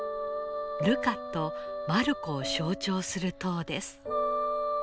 ルカとマルコを象徴する塔です。